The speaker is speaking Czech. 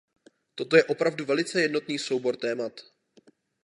Toto je opravdu velice jednotný soubor témat.